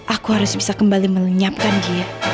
aku harus bisa kembali melenyapkan dia